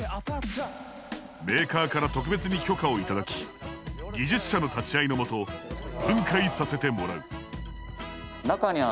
メーカーから特別に許可を頂き技術者の立ち会いのもと分解させてもらう。